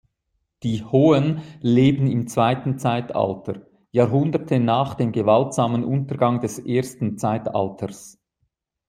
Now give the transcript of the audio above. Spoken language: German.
Die "Hohen" leben im zweiten Zeitalter, Jahrhunderte nach dem gewaltsamen Untergang des ersten Zeitalters.